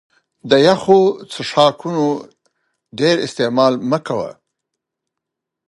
د يخو څښاکونو ډېر استعمال مه کوه